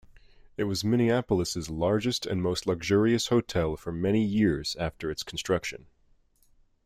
It was Minneapolis's largest and most luxurious hotel for many years after its construction.